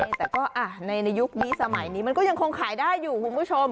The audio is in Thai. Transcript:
แต่ก็ในยุคนี้สมัยนี้มันก็ยังคงขายได้อยู่คุณผู้ชม